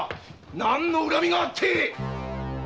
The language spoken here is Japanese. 何の恨みあって‼